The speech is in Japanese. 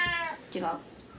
違う。